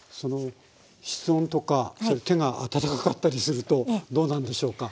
室温とか手が温かかったりするとどうなんでしょうか？